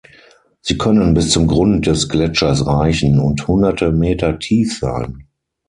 Sie können bis zum Grund des Gletschers reichen und hunderte Meter tief sein.